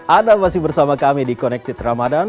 anda masih bersama kami di connected ramadhan